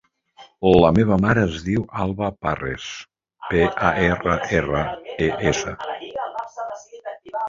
La meva mare es diu Alba Parres: pe, a, erra, erra, e, essa.